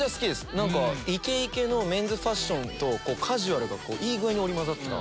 イケイケのメンズファッションとカジュアルがいい具合に織り交ざって。